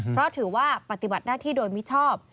เพราะถือว่าปฏิบัติหน้าที่โดยมิชอบ